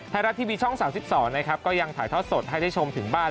ไทยรัฐทีวีช่อง๓๒นะครับก็ยังถ่ายทอดสดให้ได้ชมถึงบ้าน